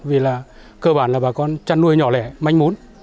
vì là cơ bản là bà con chăn nuôi nhỏ lẻ manh mốn